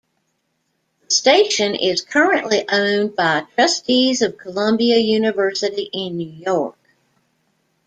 The station is currently owned by Trustees of Columbia University in New York.